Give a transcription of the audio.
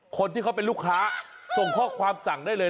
คนที่เขาเป็นลูกค้าส่งข้อความสั่งได้เลย